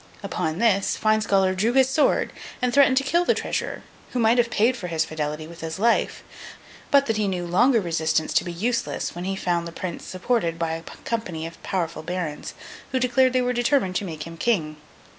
Upon this, Fine Scholar drew his sword, and threatened to kill the treasurer; who might have paid for his fidelity with his life, but that he knew longer resistance to be useless when he found the Prince supported by a company of powerful barons, who declared they were determined to make him King.